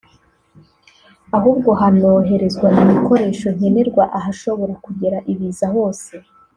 ahubwo hanoherezwa ibikoresho nkenerwa ahashobora kugera ibiza hose